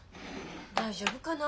大丈夫かな？